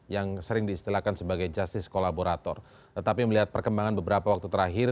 yang sering diistilahkan sebagai justice kolaborator tetapi melihat perkembangan beberapa waktu terakhir